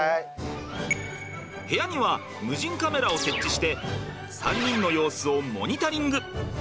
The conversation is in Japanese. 部屋には無人カメラを設置して３人の様子をモニタリング！